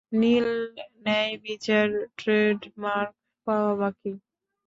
নীল ন্যায়বিচার, ট্রেডমার্ক পাওয়া বাকি।